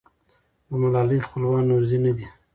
د ملالۍ خپلوان نورزي نه دي.